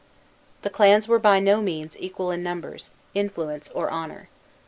The clans were by no means equal in numbers, influence, or honor.